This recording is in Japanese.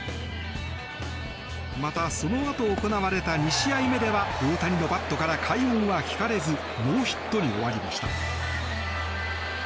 また、そのあと行われた２試合目では大谷のバットから快音は聞かれずノーヒットに終わりました。